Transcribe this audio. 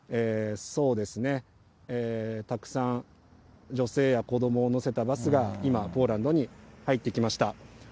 そうですね、たくさん女性や子どもを乗せたバスが今、ポーランドに入ってきました。